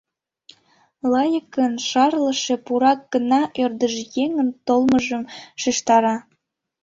Лайыкын шарлыше пурак гына ӧрдыжъеҥын толмыжым шижтара.